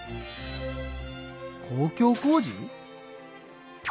公共工事？